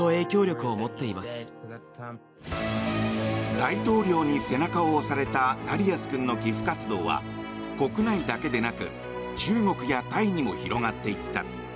大統領に背中を押されたダリアス君の寄付活動は国内だけでなく中国やタイにも広がっていった。